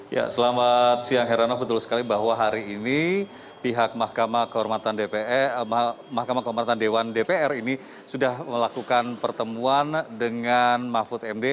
ya selamat siang heranov betul sekali bahwa hari ini pihak mahkamah kehormatan dewan dpr ini sudah melakukan pertemuan dengan mahfud md